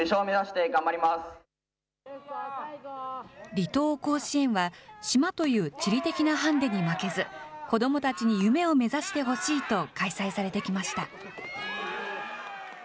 離島甲子園は、島という地理的なハンデに負けず、子どもたちに夢を目指してほしいと開催されてきました。